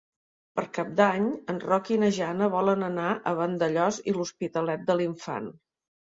Per Cap d'Any en Roc i na Jana volen anar a Vandellòs i l'Hospitalet de l'Infant.